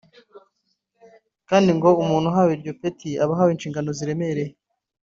kandi ngo umuntu uhawe iryo peti aba ahawe inshingano ziremereye